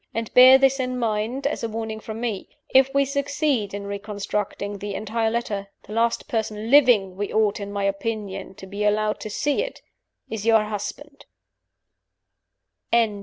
And bear this in mind, as a warning from me: If we succeed in reconstructing the entire letter, the last person living who ought (in my opinion) to be allowed to see it is your husband."